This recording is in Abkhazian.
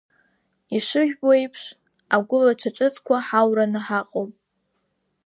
Ишыжәбо еиԥш, агәылацәа ҿыцқәа ҳаураны ҳаҟоуп.